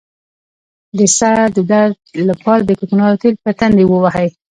د سر درد لپاره د کوکنارو تېل په تندي ووهئ